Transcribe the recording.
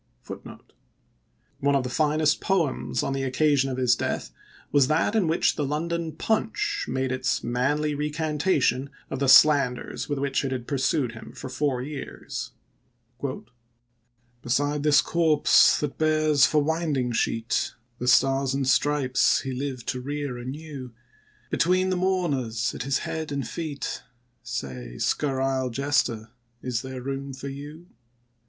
1 Cabinets and courts which had been cold 1 One of the finest poems on the occasion of his death was that in which the London " Punch" made its manly recantation of the slan ders with which it had pursued him for four years : Beside this corpse that bears for winding sheet The Stars and Stripes he lived to rear anew, Between the mourners at his head and feet, Say, scurrile jester, is there room for you